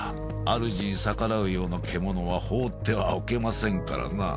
主に逆らうような獣は放ってはおけませんからな。